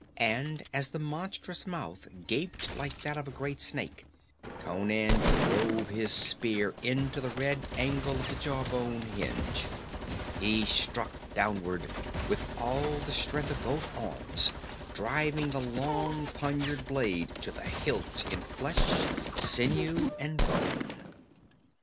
And as the monstrous mouth gaped like that of a great snake, Conan drove his spear into the red angle of the jaw bone hinge. He struck downward with all the strength of both arms, driving the long poniard blade to the hilt in flesh, sinew and bone.